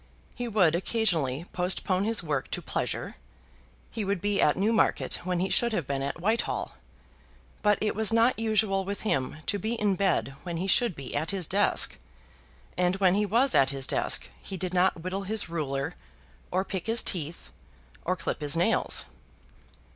He would occasionally postpone his work to pleasure. He would be at Newmarket when he should have been at Whitehall. But it was not usual with him to be in bed when he should be at his desk, and when he was at his desk he did not whittle his ruler, or pick his teeth, or clip his nails.